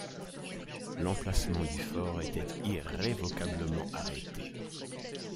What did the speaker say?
L’emplacement du fort était irrévocablement arrêté.